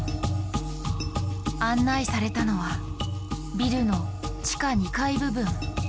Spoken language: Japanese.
案内されたのはビルの地下２階部分。